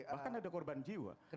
bahkan ada korban jiwa